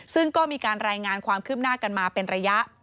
ซึ่งก็มีการรายงานความคืบหน้ากันมาเป็นระยะ